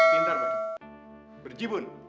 pintar lagi berjibun